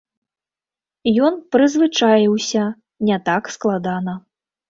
Ён прызвычаіўся, не так складана.